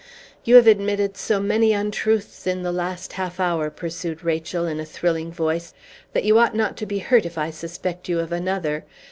"You have admitted so many untruths in the last half hour," pursued Rachel, in a thrilling voice, "that you ought not to be hurt if I suspect you of another.